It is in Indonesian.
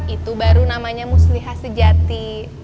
itu baru namanya muslihah sejati